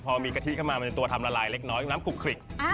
พอมีกะทิเข้ามามันจะตัวทำละลายเล็กน้อยน้ำคลุกคลิก